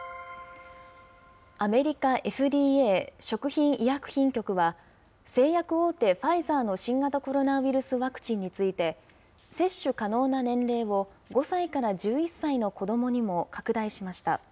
アメリカＦＤＡ・食品医薬品局は、製薬大手、ファイザーの新型コロナウイルスワクチンについて、接種可能な年齢を５歳から１１歳の子どもにも拡大しました。